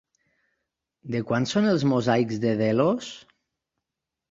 De quan són els mosaics de Delos?